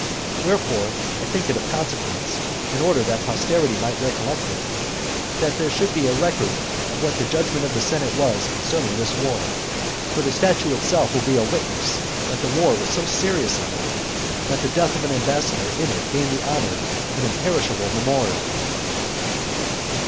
Wherefore, I think it of consequence, in order that posterity may recollect it, that there should be a record of what the judgment of the senate was concerning this war. For the statue itself will be a witness that the war was so serious an one, that the death of an ambassador in it gained the honour of an imperishable memorial.